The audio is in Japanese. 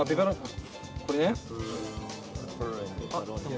これね。